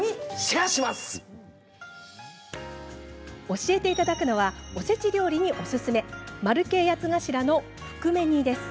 教えていただくのはおせち料理におすすめ丸系八つ頭の含め煮です。